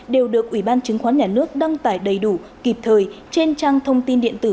đều được ủy ban chứng khoán nhà nước đăng tải đầy đủ kịp thời trên trang thông tin điện tử